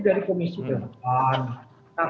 dari komisi belakang